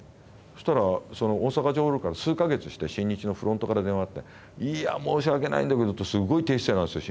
そしたらその大阪城ホールから数か月して新日のフロントから電話があって「いや申し訳ないんだけど」ってすごい低姿勢なんですよ